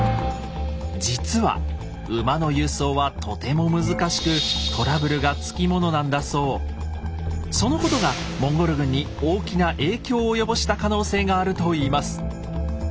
実は馬の輸送はとても難しくそのことがモンゴル軍に大きな影響を及ぼした可能性があるといいます。